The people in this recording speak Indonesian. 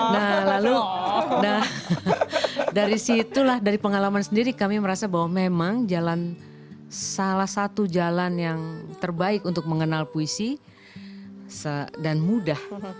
nah lalu dari situlah dari pengalaman sendiri kami merasa bahwa memang jalan salah satu jalan yang terbaik untuk mengenal puisi dan mudah